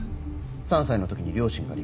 ３歳のときに両親が離婚。